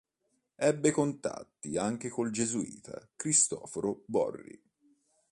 Ebbe contatti anche col gesuita Cristoforo Borri.